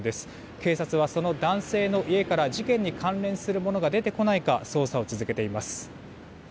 警察はその男性の家から事件に関連するものが出てこないか捜査を続けています。